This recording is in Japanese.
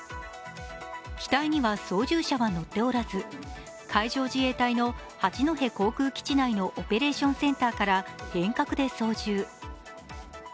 機体には操縦者は乗っておらず、海上自衛隊の八戸航空基地内のオペレーションセンターから遠隔で操縦。